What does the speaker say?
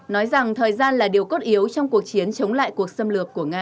nói rằng thời gian là điều cốt yếu trong cuộc chiến chống lại cuộc xâm lược của nga